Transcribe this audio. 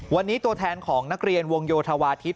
วันนี้ตัวแทนของนักเรียนวงโยธวาทิพ